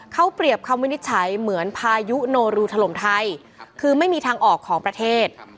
เขาเปรียบคำวินิจฉัยเหมือนพายุโนรูถล่มไทยคือไม่มีทางออกของประเทศ